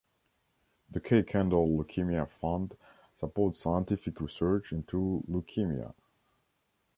The Kay Kendall Leukaemia Fund supports scientific research into leukaemia.